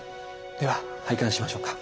では拝観しましょうか。